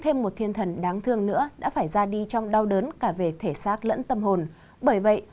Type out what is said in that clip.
thêm một thiên thần đáng thương nữa đã phải ra đi trong đau đớn cả về thể xác lẫn tâm hồn bởi vậy